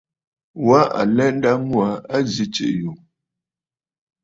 Wa alɛ nda ŋû aa a zi tsiʼì yù.